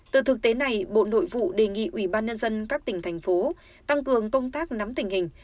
từ thực tế này bộ nội vụ đề nghị ubnd các tỉnh thành phố tăng cường công tác nắm tình hình